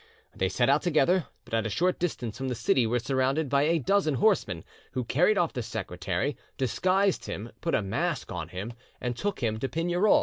They set out together, but at a short distance from the city were surrounded by a dozen horsemen, who carried off the secretary, 'disguised him, put a mask on him, and took him to Pignerol.